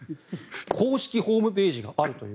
公式ホームページがあるという。